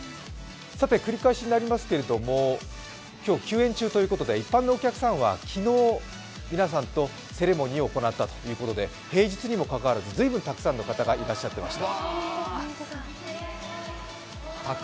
繰り返しになりますけども、今日、休園中ということで一般のお客さんは昨日皆さんとセレモニーを行ったということで平日にもかかわらず、随分たくさんの方がいらっしゃってました。